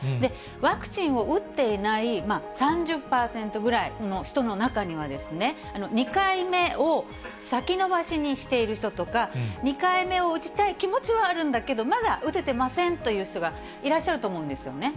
ワクチンを打っていない３０％ぐらいの人の中には、２回目を先延ばしにしている人とか、２回目を打ちたい気持ちはあるんだけど、まだ打ててませんという人がいらっしゃると思うんですよね。